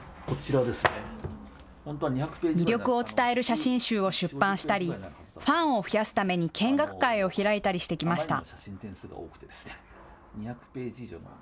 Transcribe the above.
魅力を伝える写真集を出版したりファンを増やすために見学会を開いたりしてきました。